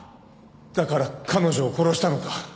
だから彼女を殺したのか？